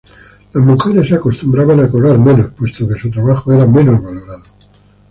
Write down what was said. Las mujeres acostumbraban a cobrar menos, puesto que su trabajo era menos valorado.